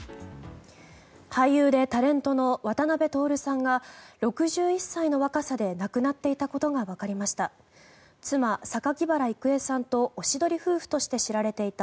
俳優でタレントの渡辺徹さんが６１歳の若さで亡くなっていたことが分かりました。